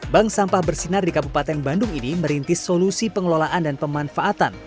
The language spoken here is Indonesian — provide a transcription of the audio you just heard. bank sampah bersinar di kabupaten bandung ini merintis solusi pengelolaan dan pemanfaatan